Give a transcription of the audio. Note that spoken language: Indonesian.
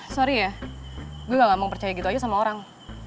sorry ya gue gak mau percaya gitu aja sama orang